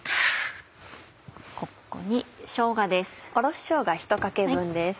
ここにしょうがです。